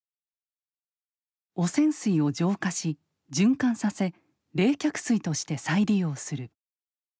汚染水を浄化し循環させ冷却水として再利用する。